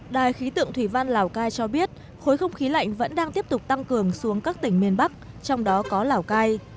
đài khí tượng thủy văn lào cai cho biết khối không khí lạnh vẫn đang tiếp tục tăng cường xuống các tỉnh miền bắc trong đó có lào cai